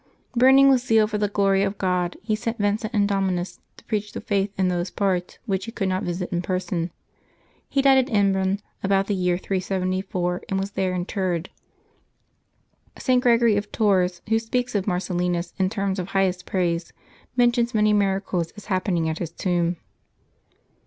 Burn ing with zeal for the glory of God, he sent Vincent and Domninus to preach the faith in those parts which he could not visit in person. He died at Embrun about the year 374, and was there interred. St. Gregory of Tours, who speaks of Marcellinus in terms of highest praise, mentions many miracles as happening at his tomb.